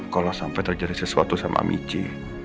kalau sampai terjadi sesuatu sama amiji